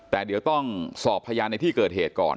แต่เดี๋ยวต้องสอบพยานในที่เกิดเหตุก่อน